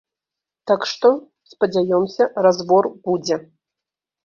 Так што, спадзяёмся, разбор будзе.